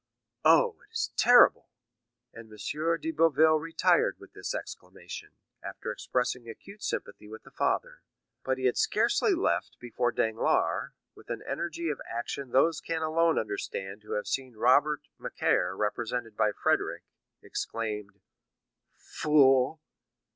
"Oh, it is terrible!" and M. de Boville retired with this exclamation, after expressing acute sympathy with the father. But he had scarcely left before Danglars, with an energy of action those can alone understand who have seen Robert Macaire represented by Frédérick,24 exclaimed: "Fool!"